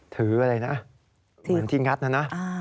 ถืออะไรนะเหมือนที่งัดนะนะ